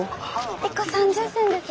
１個３０銭です。